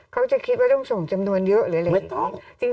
เขาจะคิดว่าต้องส่งจำนวนเยอะหรืออะไรอย่างนี้